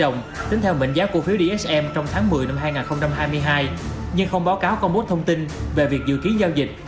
nhưng không báo cáo công bố thông tin về việc dự ký giao dịch